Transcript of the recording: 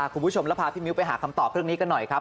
คุณผู้ชมแล้วพาพี่มิ้วไปหาคำตอบเรื่องนี้กันหน่อยครับ